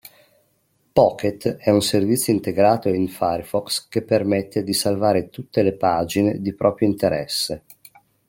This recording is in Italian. Pocket è un servizio integrato in Firefox che permette di salvare tutte le pagine di proprio interesse.